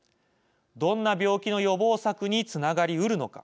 どんな病気の予防策につながりうるのか。